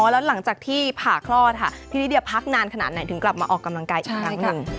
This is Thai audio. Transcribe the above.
แล้วหลังจากที่ผ่าคลอดค่ะทีนี้เดี๋ยวพักนานขนาดไหนถึงกลับมาออกกำลังกายอีกครั้งหนึ่ง